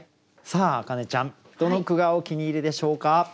さあ明音ちゃんどの句がお気に入りでしょうか？